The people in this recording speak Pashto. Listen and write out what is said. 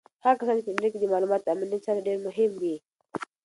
هغه کسان چې په انټرنیټ کې د معلوماتو امنیت ساتي ډېر مهم دي.